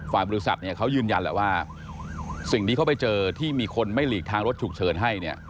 ฝ่ายบริษัทเขายืนยันแหละว่าสิ่งที่เขาไปเจอที่มีคนไม่หลีกทางรถถูกเชิญให้